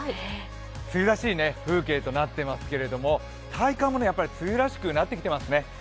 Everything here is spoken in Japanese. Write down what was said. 梅雨らしい風景となっておりますけど体感も梅雨らしくなってきていますね。